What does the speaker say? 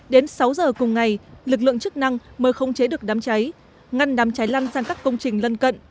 đến sáu giờ cùng ngày lực lượng chức năng mới khống chế được đám cháy ngăn đám cháy lăn sang các công trình lân cận